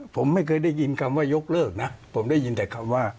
ผมไม่เคยได้ยินคำว่ายกเลิกนะผมได้ยินแต่คำว่า